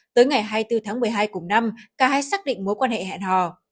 tới ngày hai mươi bốn tháng một mươi hai cùng năm cả hai xác định mối quan hệ hẹn hò